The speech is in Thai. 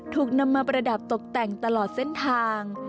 ถูกนำมาประดับตกแต่งตลอดเส้นทาง